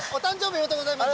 ありがとうございます。